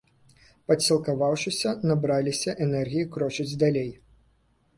Падсілкаваўшыся, набраліся энергіі крочыць далей.